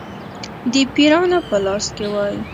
د پیرانو په لاس کې وای.